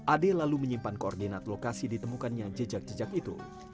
ade lalu menyimpan koordinat lokasi ditemukannya jejak jejak itu